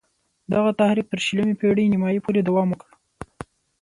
دغه تحریک تر شلمې پېړۍ نیمايی پوري دوام وکړ.